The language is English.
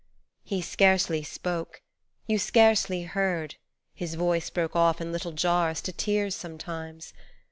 He scarcely spoke, you scarcely heard, His voice broke off in little jars To tears sometimes.